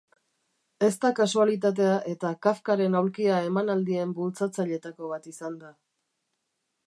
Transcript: Ez da kasualitatea eta Kafkaren aulkia emanaldien bultzatzaileetako bat izan da.